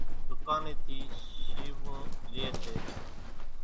ڌُوڪانين ٿي شيوون لي سي۔